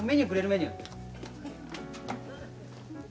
メニュー。